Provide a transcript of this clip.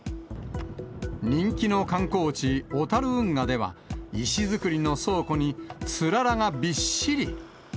人気の観光地、小樽運河では、石造りの倉庫につららがびっしり。